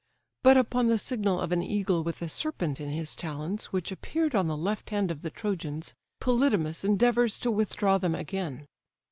But upon the signal of an eagle with a serpent in his talons, which appeared on the left hand of the Trojans, Polydamas endeavours to withdraw them again.